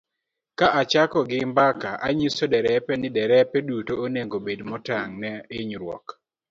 Ka achako gi mbaka, anyiso derepe ni derepe duto onego obed motang ' ne hinyruok.